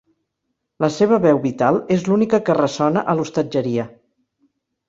La seva veu vital és l'única que ressona a l'hostatgeria.